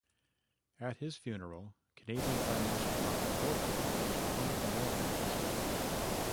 At his funeral, Canadian Prime Minister Robert Borden was one of the mourners.